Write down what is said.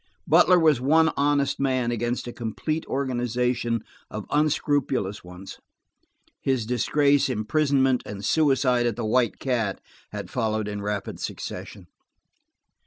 Butler was one honest man against a complete organization of unscrupulous ones. His disgrace, imprisonment and suicide at the White Cat had followed in rapid succession.